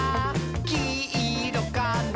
きいろかな？」